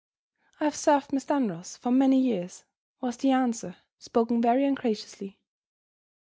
"I have served Miss Dunross for many years," was the answer, spoken very ungraciously.